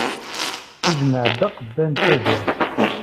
Yejmeɛ-d aqba n tazart.